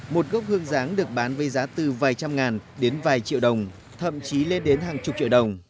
một gốc hương giáng được bán với giá từ vài trăm ngàn đến vài triệu đồng thậm chí lên đến hàng chục triệu đồng